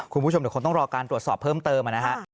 คุณผู้ชมเดี๋ยวคงต้องรอการตรวจสอบเพิ่มเติมนะฮะ